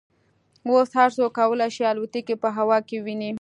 اوس هر څوک کولای شي الوتکې په هوا کې وویني